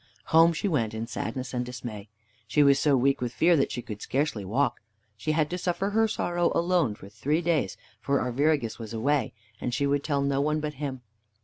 Home she went in sadness and dismay. She was so weak with fear that she could scarcely walk. She had to suffer her sorrow alone for three days, for Arviragus was away, and she would tell no one but him.